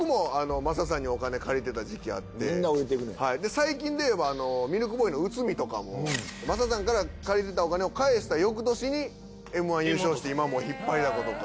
最近で言えばミルクボーイの内海とかも雅さんから借りてたお金を返した翌年にＭ−１優勝して今もう引っ張りだことか。